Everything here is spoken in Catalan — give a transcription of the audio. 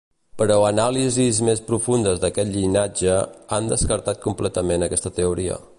Però anàlisis més profundes d'aquest llinatge han descartat completament aquesta teoria.